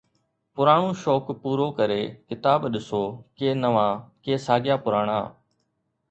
پراڻو شوق پورو ڪري، ڪتاب ڏسو، ڪي نوان، ڪي ساڳيا پراڻا